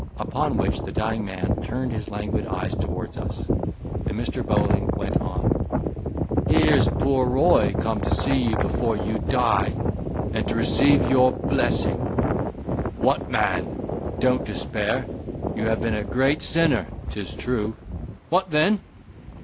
Upon which, the dying man turned his languid eyes towards us, and Mr. Bowling went on—"Here's poor Roy come to see you before you die, and to receive your blessing. What, man! don't despair, you have been a great sinner, 'tis true,—what then?